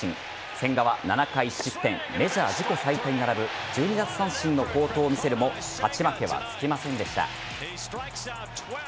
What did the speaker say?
千賀は７回１失点メジャー自己最多に並ぶ１２奪三振の好投を見せるも勝ち負けはつきませんでした。